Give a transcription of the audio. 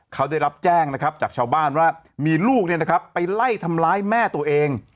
เขาได้รับแจ้งนะครับจากชาวบ้านว่ามีลูกไปไล่ทำร้ายแม่ตัวเอง